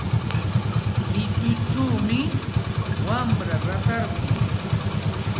Mituchawmi wamra ratarqun.